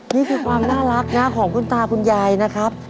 นี่คือความน่ารักนะของคุณตาคุณยายนะครับ